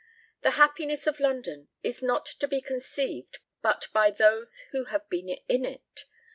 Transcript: The happiness of London is not to be conceived but by those who have been in it.